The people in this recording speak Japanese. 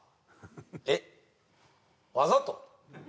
えっわざと？